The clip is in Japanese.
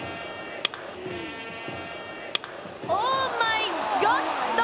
オー・マイ・ゴッド！